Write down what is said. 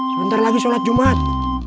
sebentar lagi sholat jumat